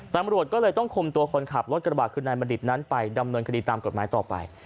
ตำรวจก็เลยต้องคุมตัวคนขับรถกระบะคือนายบัณฑิตนั้นไปดำเนินคดีตามกฎหมายต่อไป